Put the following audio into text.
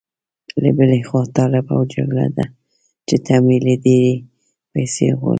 له بلې خوا طالب او جګړه ده چې تمویل یې ډېرې پيسې غواړي.